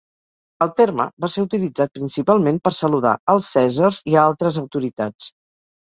El terme va ser utilitzat principalment per saludar als cèsars i a altres autoritats.